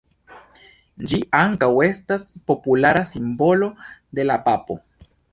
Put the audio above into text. Ĝi ankaŭ estas populara simbolo de la papo.